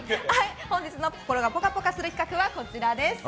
本日の心がぽかぽかする企画はこちらです。